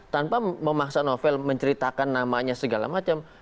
tanpa memaksa novel menceritakan namanya segala macam